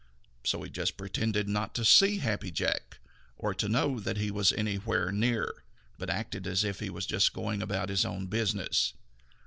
So he just pretended not to see Happy Jack, or to know that he was anywhere near, but acted as if he was just going about his own business.